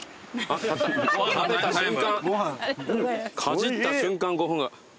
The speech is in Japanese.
かじった瞬間５分が。